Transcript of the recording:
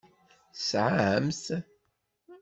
Tesɛam-t?